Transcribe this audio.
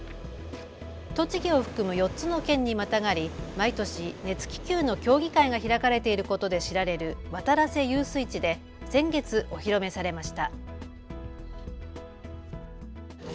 栃木を含む４つの県にまたがり毎年、熱気球の競技会が開かれていることで知られる渡良瀬遊水地で先月お披露目されました。